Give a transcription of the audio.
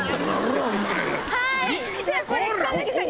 はいじゃあこれ草薙さん。